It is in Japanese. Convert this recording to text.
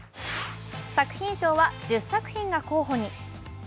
作品賞は１０作品が候補に。